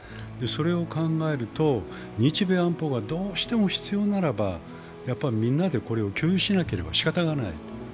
それを考えると、日米安保がどうしても必要ならば、みんなでこれを共有しなければしかたがない。